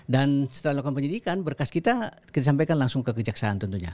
dan setelah dilakukan penyidikan berkas kita disampaikan langsung ke kejaksaan tentunya